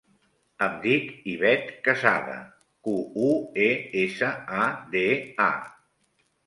Em dic Ivet Quesada: cu, u, e, essa, a, de, a.